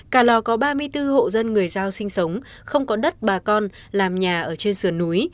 cà lò có ba mươi bốn hộ dân người giao sinh sống không có đất bà con làm nhà ở trên sườn núi